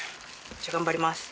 じゃあ頑張ります。